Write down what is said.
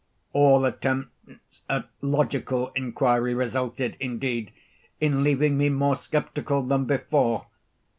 All attempts at logical inquiry resulted, indeed, in leaving me more sceptical than before.